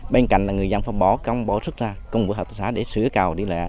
bên cạnh là người dân phải bỏ công bỏ sức ra cùng với hợp tác xã để sửa cầu đi lại